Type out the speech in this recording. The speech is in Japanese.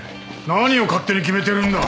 何を勝手に決めてるんだ。